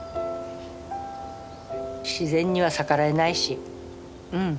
自然には逆らえないしうん。